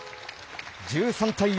１３対４。